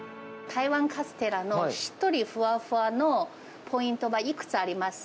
台湾カステラのしっとりふわふわのポイントはいくつあります。